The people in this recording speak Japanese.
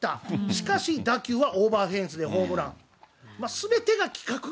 しかし打球はオーバーフェンスでホームラン。